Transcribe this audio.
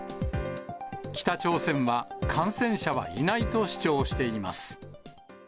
北朝鮮は、感染者はいないと主張しています。